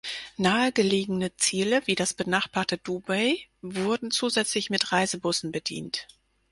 Nahegelegene Ziele wie das benachbarte Dubai wurden zusätzlich mit Reisebussen bedient.